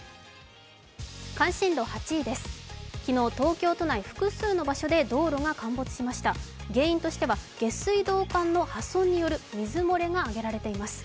関心度８位です昨日東京都内複数の場所で、道路が陥没しました原因としては下水道管の破損による水漏れが挙げられています。